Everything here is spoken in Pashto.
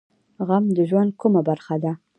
غم د ژوند کومه برخه ده؟